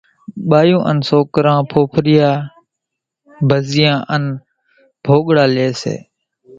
ٻايُون انين سوڪران ڦوڦريا، ڀزيئان انين ڀوڳڙا ليئيَ سي۔